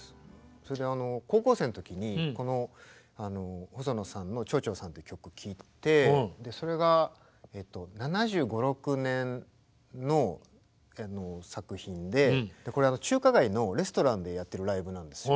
それで高校生の時にこの細野さんの「蝶々−Ｓａｎ」って曲聴いてそれが７５７６年の作品でこれ中華街のレストランでやってるライブなんですよ。